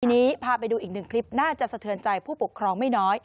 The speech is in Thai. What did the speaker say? ทีนี้พาไปดูอีกหนึ่งคลิปน่าจะสะเทือนใจผู้ปกครองไม่น้อย